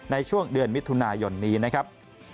ในช่วงเดือนมิถุนายนนี้นะครับ